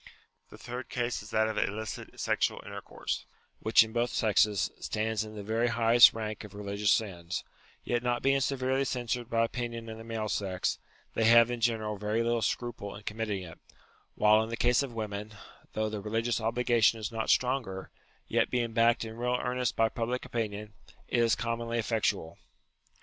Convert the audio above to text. The third case is that of illicit sexual intercourse ; which in both sexes, stands in the very highest rank of religious sins, yet not being severely censured by opinion in the male sex, they have in general very little scruple in committing it ; while in 92 UTILITY OF RELIGION the case of women, though the religious obligation is not stronger, yet being backed in real earnest by public opinion, it is commonly effectual.